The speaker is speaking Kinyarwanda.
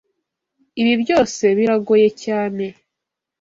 Ibi byose biragoye cyane.